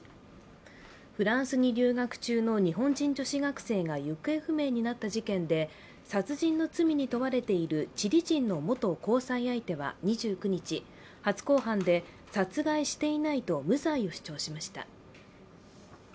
フランスに留学中の日本人女子学生が行方不明になった事件で殺人の罪に問われているチリ人の元交際相手は２９日、初公判で殺害していないと無罪を主張しました。